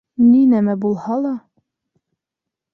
— Ни нәмә булһа ла...